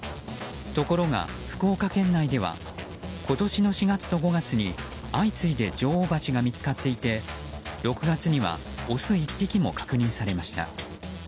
ところが福岡県内では今年の４月と５月に相次いで女王バチが見つかっていて６月にはオス１匹も確認されました。